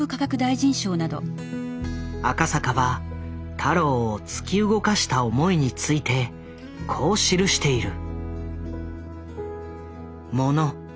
赤坂は太郎を突き動かした思いについてこう記している。